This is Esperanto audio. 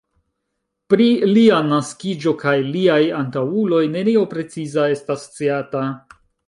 Pri lia naskiĝo kaj liaj antaŭuloj nenio preciza estas sciata.